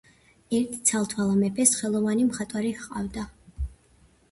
ერთ ცალთვალა მეფეს ხელოვანი მხატვარი ჰყავდა.